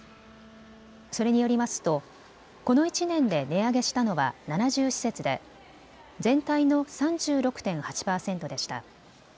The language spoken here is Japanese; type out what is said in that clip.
それによりますとこの１年で値上げしたのは７０施設で全体の３６．８％でした。